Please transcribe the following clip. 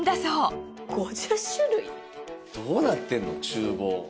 どうなってんの厨房。